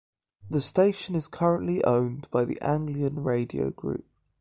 The station is currently owned by The Anglian Radio Group.